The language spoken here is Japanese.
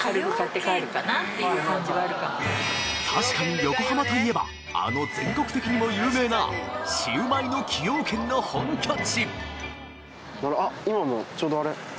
確かに横浜といえばあの全国的にも有名なシュウマイの崎陽軒の本拠地！